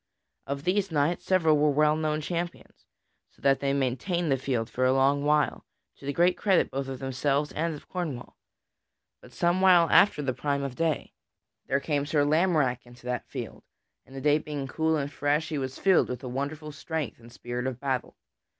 Of these knights, several were well known champions, so that they maintained the field for a long while, to the great credit both of themselves and of Cornwall. But some while after the prime of day, there came Sir Lamorack into that field, and, the day being cool and fresh, he was filled with a wonderful strength and spirit of battle.